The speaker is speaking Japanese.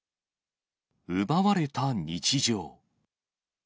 奪われた日常。